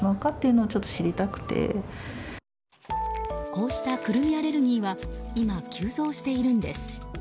こうしたクルミアレルギーは今急増しているんです。